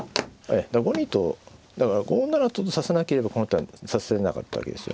５二とだから５七とと指さなければこの手は指せなかったわけですよ。